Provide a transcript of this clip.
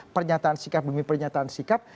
pernyataan sikap demi pernyataan sikap